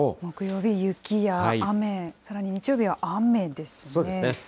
木曜日、雪や雨、さらに日曜日は雨ですね。